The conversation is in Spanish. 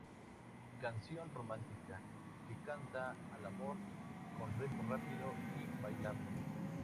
Canción romántica, que canta al amor, con ritmo rápido y bailable.